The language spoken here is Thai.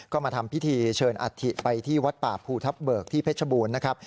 ก็มาทำพิธีเชิญอัฐิไปที่วัดป่าภูทับเบิกที่เพชรบูรณ์นะครับ